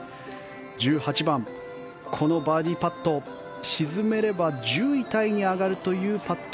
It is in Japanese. １８番、このバーディーパット沈めれば１０位タイに上がるというパット。